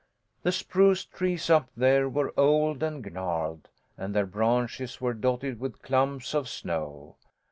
The spruce trees up there were old and gnarled, and their branches were dotted with clumps of snow.